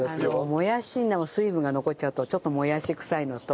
もやしの水分が残っちゃうとちょっともやしくさいのと。